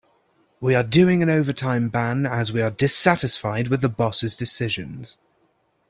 We are doing an overtime ban as we are dissatisfied with the boss' decisions.